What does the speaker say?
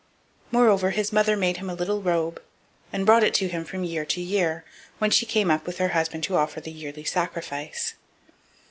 002:019 Moreover his mother made him a little robe, and brought it to him from year to year, when she came up with her husband to offer the yearly sacrifice.